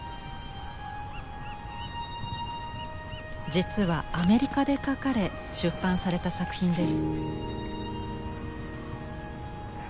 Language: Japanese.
実はアメリカで描かれ出版された作品です。